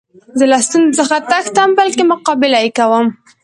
زه له ستونزو څخه تښتم؛ بلکي مقابله ئې کوم.